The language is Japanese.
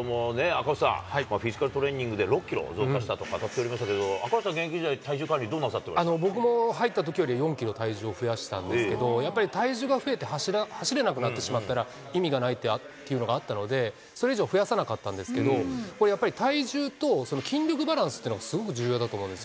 赤星さん、フィジカルトレーニングで６キロ、増加したと語っておりましたけど、赤星さん、現役時代、体重管理ど僕も入ったときよりも４キロ体重を増やしたんですけど、やっぱり体重が増えて、走れなくなってしまったら、意味がないというのがあったので、それ以上増やさなかったんですけど、これ、やっぱり体重と筋力バランスというのがすごく重要だと思うんですよ。